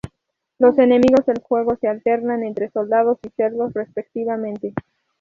Los enemigos del juego se alternan entre soldados y cerdos, respectivamente.